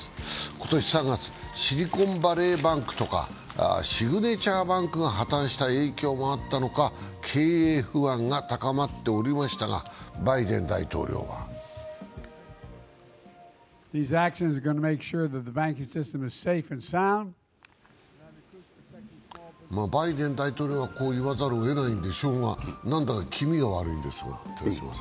今年３月、シリコンバレーバンクとかシグネチャーバンクが破綻した影響もあったのか、経営不安が高まっておりましたが、バイデン大統領はバイデン大統領は、こう言わざるえないんでしょうが、何だか気味が悪いです。